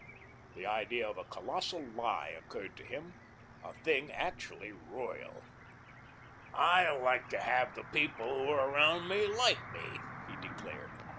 The idea of a colossal lie occurred to him, a thing actually royal. "I like to have the people who are around me like me," he declared.